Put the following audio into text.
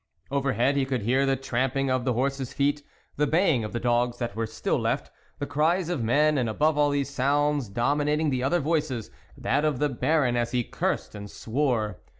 Over head he could hear the tramping of the horses' feet, the baying of the dogs that were still left, the cries of men, and above all these sounds, dominating the other voices, that of the Baron as he cursed and swore.